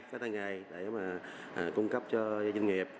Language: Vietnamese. có tay nghề để cung cấp cho doanh nghiệp